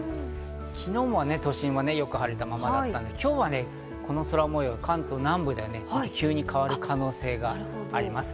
昨日も都心はよく晴れたままだったんですが今日はこの空模様、関東南部で急に変わる可能性があります。